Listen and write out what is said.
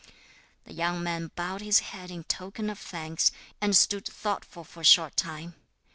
The young man bowed his head in token of thanks, and stood thoughtful for a short time.